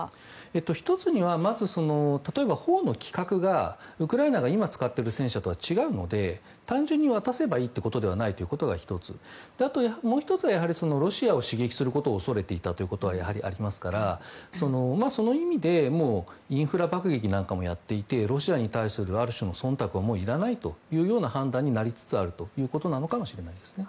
１つには例えば、砲の規格がウクライナが今使っている戦車とは違うので単純に渡せばいいというわけではないというのが１つあともう１つは、ロシアを刺激することを恐れていたことはやはりありますからその意味でインフラ爆撃なんかもやっていてロシアに対するある種の忖度はもういらないという判断になりつつあるということかもしれないですね。